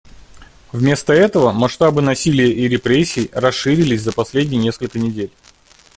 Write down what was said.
Вместо этого масштабы насилия и репрессий расшились за последние несколько недель.